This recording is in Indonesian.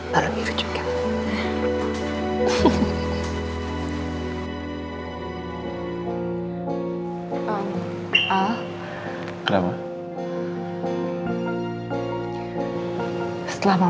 baru mirip juga